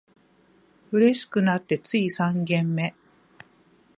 嬉しくなってつい三軒目